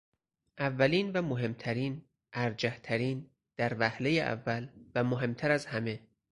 اولین و مهمترین، ارجح ترین، در وهله اول و مهمتر از همه